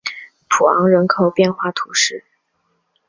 普昂人口变化图示